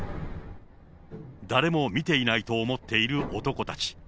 誰も見ていないと思っている男たち。